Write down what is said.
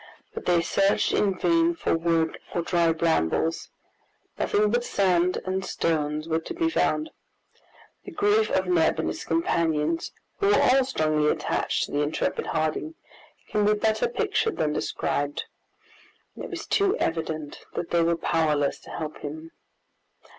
But they searched in vain for wood or dry brambles; nothing but sand and stones were to be found. The grief of Neb and his companions, who were all strongly attached to the intrepid Harding, can be better pictured than described. It was too evident that they were powerless to help him.